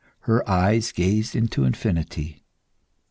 Her eyes gazed into infinity.